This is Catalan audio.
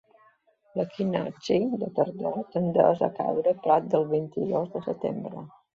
L'equinocci de tardor tendeix a caure prop del vint-i-dos de setembre.